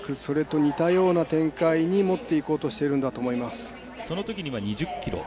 恐らくそれと似たような展開にもっていこうとしているんだと思います。